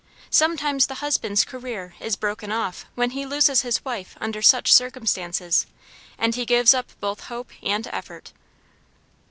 Sometimes the husband's career is broken off when he loses his wife under such circumstances, and he gives up both hope and effort.